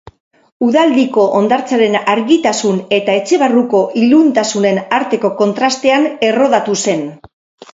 Udaldiko hondartzaren argitasun eta etxe barruko iluntasunen arteko kontrastean errodatu zen.